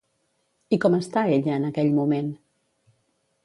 I com està ella en aquell moment?